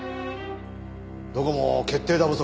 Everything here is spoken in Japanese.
どこも決定打不足か。